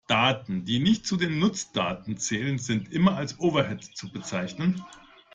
Daten, die nicht zu den Nutzdaten zählen, sind immer als Overhead zu bezeichnen?